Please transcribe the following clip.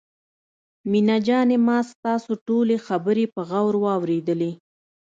مينه جانې ما ستاسو ټولې خبرې په غور واورېدلې.